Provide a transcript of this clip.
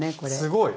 すごい！